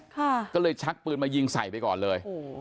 ก็เลยชักปืนมายิงใส่ไปก่อนเลยโอ้โห